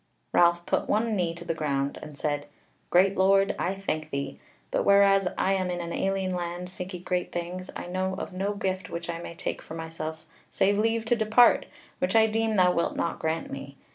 Ralph put one knee to the ground, and said: "Great Lord, I thank thee: but whereas I am in an alien land and seeking great things, I know of no gift which I may take for myself save leave to depart, which I deem thou wilt not grant me.